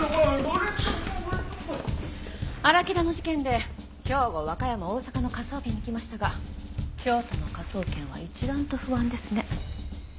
荒木田の事件で兵庫和歌山大阪の科捜研に行きましたが京都の科捜研は一段と不安ですね。